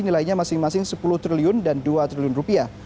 nilainya masing masing sepuluh triliun dan dua triliun rupiah